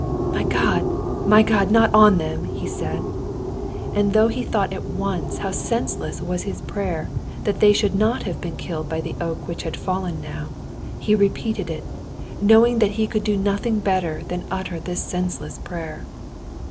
"My God! my God! not on them!" he said. And though he thought at once how senseless was his prayer that they should not have been killed by the oak which had fallen now, he repeated it, knowing that he could do nothing better than utter this senseless prayer.